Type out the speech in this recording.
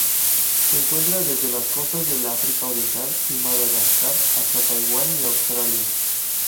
Se encuentra desde las costas del África Oriental y Madagascar hasta Taiwán y Australia.